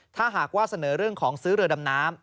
ถ้าหากว่าเสนอเรื่องของซื้อเรือดำน้ำ